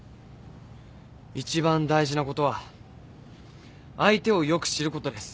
一番大事なことは相手をよく知ることです。